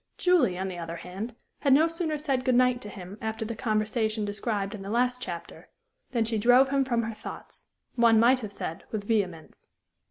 Julie, on the other hand, had no sooner said good night to him after the conversation described in the last chapter than she drove him from her thoughts one might have said, with vehemence.